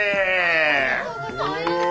ありがとうございます。